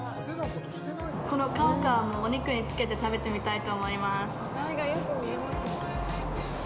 このカワカワもお肉につけて食べてみたいと思います。